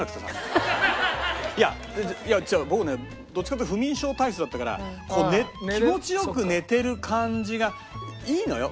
いや違う僕ねどっちかっていうと不眠症体質だったから気持ち良く寝てる感じがいいのよ。